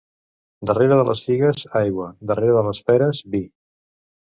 Darrere de les figues, aigua; darrere de les peres, vi.